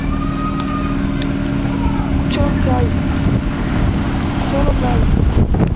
চল, চাই।